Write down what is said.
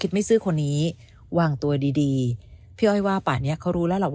คิดไม่ซื้อคนนี้วางตัวดีพี่อ้อยว่าป่านี้เขารู้แล้ว